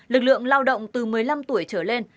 lực lượng lao động từ một mươi năm tuổi trở lên